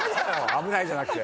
「危ない」じゃなくて。